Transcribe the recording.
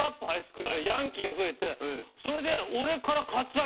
ヤンキーが増えてそれで。